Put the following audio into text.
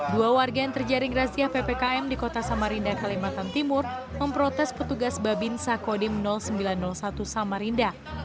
dua warga yang terjaring razia ppkm di kota samarinda kalimantan timur memprotes petugas babin sakodim sembilan ratus satu samarinda